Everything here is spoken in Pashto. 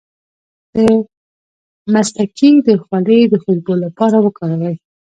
د مصطکي د خولې د خوشبو لپاره وکاروئ